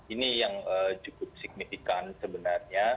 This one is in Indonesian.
ini yang cukup signifikan sebenarnya